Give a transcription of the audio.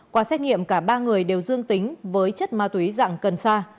qua xét nghiệm cả ba người đều dương tính với chất ma túy dạng cần sa